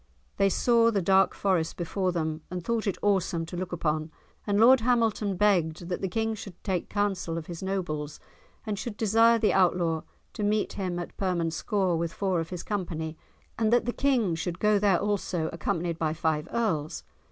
They saw the dark forest before them and thought it awesome to look upon, and Lord Hamilton begged that the King should take counsel of his nobles and should desire the Outlaw to meet him at Permanscore with four of his company and that the King should go there also accompanied by five Earls.